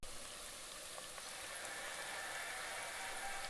Každá absolutní většina je zároveň většina prostá.